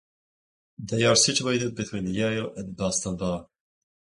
They are situated between Yale and Boston Bar.